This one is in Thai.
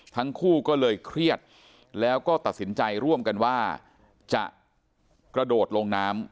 ทั้งคู่ก็เลยเครียดแล้วก็ตัดสินใจร่วมกันว่าจะกระโดดลงน้ำ